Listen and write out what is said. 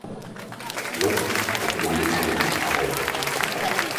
Vlok a demandé pardon à Rev.